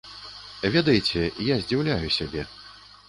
Ведаеце, я здзіўляю сябе.